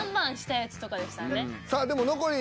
さあでも残り。